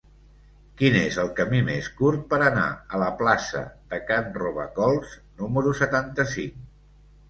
Quin és el camí més curt per anar a la plaça de Can Robacols número setanta-cinc?